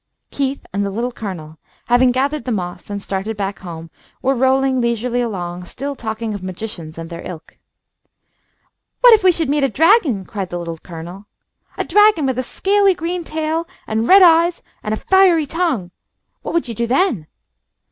Keith and the Little Colonel, having gathered the moss and started back home, were rolling leisurely along, still talking of magicians and their ilk. "What if we should meet a dragon?" cried the Little Colonel. "A dragon with a scaly green tail, and red eyes and a fiery tongue. What would you do then?"